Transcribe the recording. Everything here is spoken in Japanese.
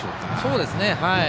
そうですね。